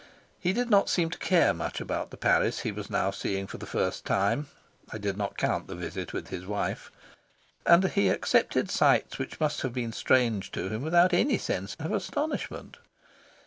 He did not seem to care much about the Paris he was now seeing for the first time (I did not count the visit with his wife), and he accepted sights which must have been strange to him without any sense of astonishment.